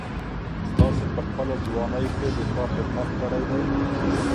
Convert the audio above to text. تاسي په خپله ځواني کي د چا خدمت کړی دی؟